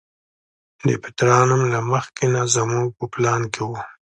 د پیترا نوم له مخکې نه زموږ په پلان کې و.